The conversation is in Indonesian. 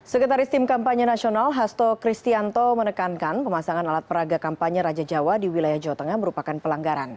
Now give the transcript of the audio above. sekretaris tim kampanye nasional hasto kristianto menekankan pemasangan alat peraga kampanye raja jawa di wilayah jawa tengah merupakan pelanggaran